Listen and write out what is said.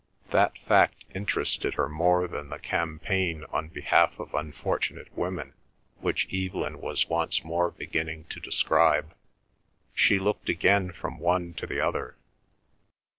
That fact interested her more than the campaign on behalf of unfortunate women which Evelyn was once more beginning to describe. She looked again from one to the other.